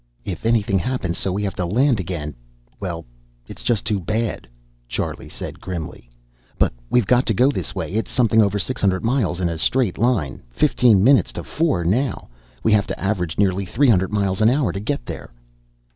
"If anything happens so we have to land again well, it's just too bad," Charlie said grimly. "But we've got to go this way. It's something over six hundred miles in a straight line. Fifteen minutes to four, now. We have to average nearly three hundred miles an hour to get there."